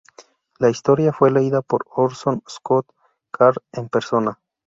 La historia fue leída por Orson Scott Card en persona.